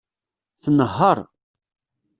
Tnehheṛ.